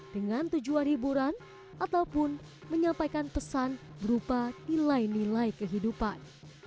dengan tujuan hiburan ataupun menyampaikan pesan berupa nilai nilai kehidupan